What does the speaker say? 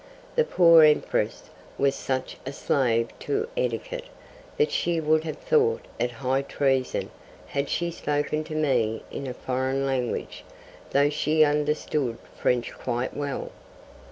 The poor Empress was such a slave to etiquette that she would have thought it high treason had she spoken to me in a foreign language, though she understood French quite well.